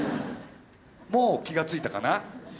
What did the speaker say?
もう気が付いたかな。